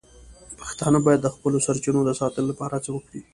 پښتانه باید د خپلو سرچینو د ساتنې لپاره هڅې وکړي.